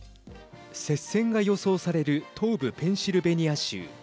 接戦が予想される東部、ペンシルベニア州。